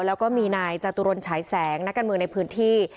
แล้วก็มีนายจตุรนฉายแสงนักการเมืองในพื้นที่